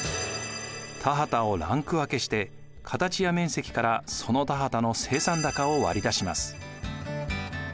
田畑をランク分けして形や面積からその田畑の生産高を割り出します。